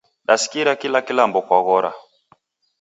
Dasikira kila kilambo kwaghora